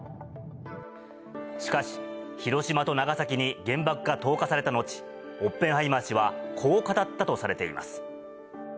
しかし、広島と長崎に原爆が投下された後、オッペンハイマー氏はこう語ったとされています。